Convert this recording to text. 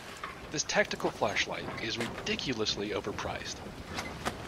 This tactical flashlight is ridiculously overpriced.